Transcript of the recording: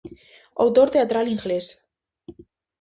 Autor teatral inglés.